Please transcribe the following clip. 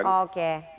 secara awam kan